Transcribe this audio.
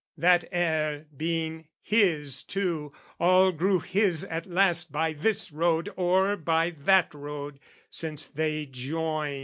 That heir being his too, all grew his at last By this road or by that road, since they join.